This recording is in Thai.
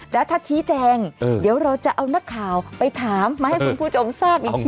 แล้วถ้าชี้แจงเดี๋ยวเราจะเอานักข่าวไปถามมาให้คุณผู้ชมทราบอีกที